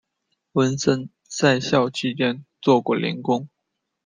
文森在校期间做过零工。